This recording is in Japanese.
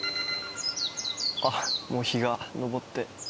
あっもう日が昇って。